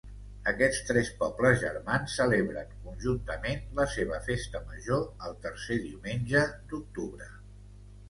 Aquests tres pobles germans celebren conjuntament la seva festa major el tercer diumenge d'octubre.